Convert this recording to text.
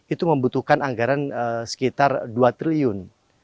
itu membutuhkan anggaran sekitar dua triliun